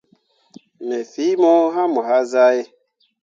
Me fii mo hãã mo hazahe.